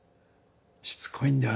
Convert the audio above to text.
しつこいんだよ